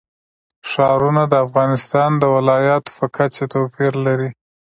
ښارونه د افغانستان د ولایاتو په کچه توپیر لري.